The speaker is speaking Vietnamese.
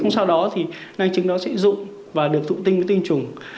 sau đó thì năng chứng đó sẽ dụng và được thụ tinh với tinh trùng